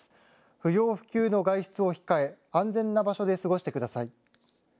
不要不急の外出を控え安全な場所で過ごしてください。